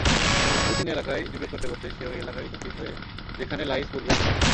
দুতিন এলাকায় জিজ্ঞেস করতে করতে সে ঐ এলাকায় উপস্থিত হয় যেখানে লাঈছ পূর্বেই এসেছিল।